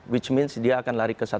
which mins dia akan lari ke satu